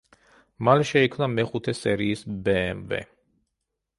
მალე შეიქმნა მეხუთე სერიის ბეემვე.